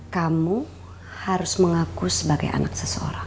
kamu harus mengaku sebagai anak seseorang